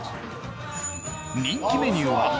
人気メニューは。